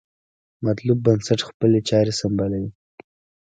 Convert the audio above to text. مطلوب بنسټ خپلې چارې سمبالوي.